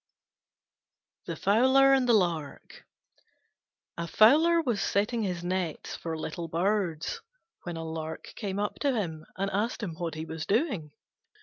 THE FOWLER AND THE LARK A Fowler was setting his nets for little birds when a Lark came up to him and asked him what he was doing.